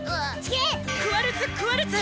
「クワルツ・クワルツ」！